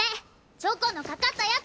チョコのかかったやつ！